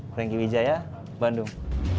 franky widjaya bandung